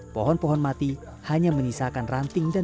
pohon pohon mati hanya menisahkan ranting berdiri